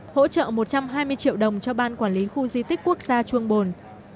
hỗ trợ một trăm hai mươi triệu đồng cho ban quản lý khu di tích quốc gia trung bồn